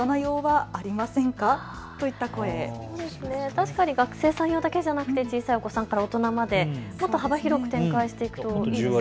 確かに学生さん用だけじゃなくて小さいお子さんから大人まで幅広く展開していくといいですね。